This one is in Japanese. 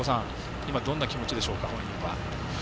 どんな気持ちでしょうか、本人は。